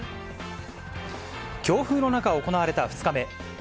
強風の中、行われた２日目。